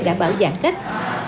đảm bảo giảm cách